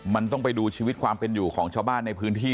มันต้องไปดูชีวิตความเป็นอยู่ของชาวบ้านในพื้นที่